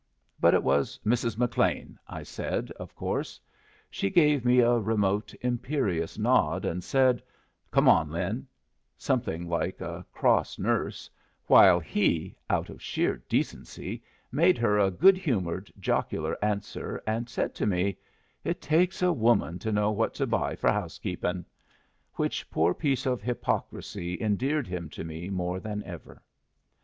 But it was "Mrs. McLean" I said, of course. She gave me a remote, imperious nod, and said, "Come on, Lin," something like a cross nurse, while he, out of sheer decency, made her a good humored, jocular answer, and said to me, "It takes a woman to know what to buy for house keepin,"; which poor piece of hypocrisy endeared him to me more than ever.